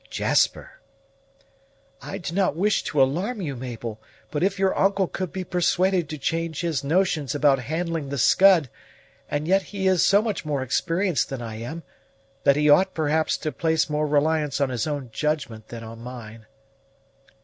"Jasper!" "I do not wish to alarm you, Mabel; but if your uncle could be persuaded to change his notions about handling the Scud: and yet he is so much more experienced than I am, that he ought, perhaps, to place more reliance on his own judgment than on mine."